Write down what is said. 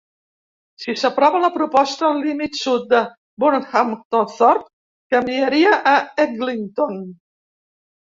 Si s'aprova la proposta, el límit sud de Burnhamthorpe canviaria a Eglinton.